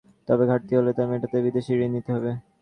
তবে ঘাটতি হলে তা মেটাতে বিদেশি ঋণ নিতে হয়।